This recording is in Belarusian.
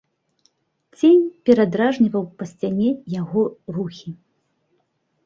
Цень перадражніваў па сцяне яго рухі.